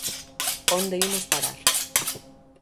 ¡Onde imos parar!